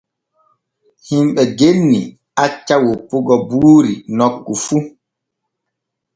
Himɓe genni acca woppugo buuri nokku fu.